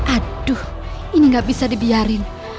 aduh ini gak bisa dibiarin